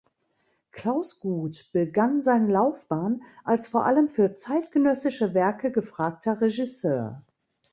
Claus Guth begann seine Laufbahn als vor allem für zeitgenössische Werke gefragter Regisseur.